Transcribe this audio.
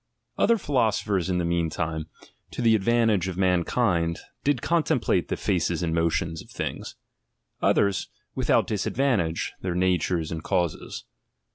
Other philosophers in the mean time, to the advantage of mankind, did contemplate the faces and motions of things; others, without disadvantage, their natures and causes.